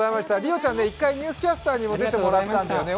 莉央ちゃん、１回「ニュースキャスター」にも出てもらったんだよね